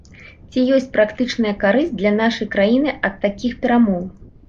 Ці ёсць практычная карысць для нашай краіны ад такіх перамоў?